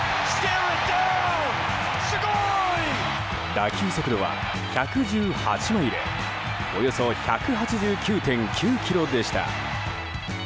打球速度は、１１８マイルおよそ１８９．９キロでした。